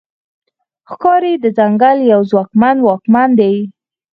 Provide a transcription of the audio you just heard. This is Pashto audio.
ښکاري د ځنګل یو ځواکمن واکمن دی.